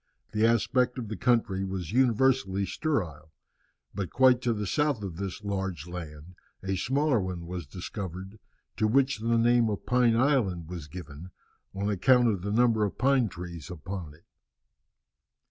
The aspect of the country was universally sterile. But quite to the south of this large land a smaller one was discovered, to which the name of Pine Island was given, on account of the number of pine trees upon it.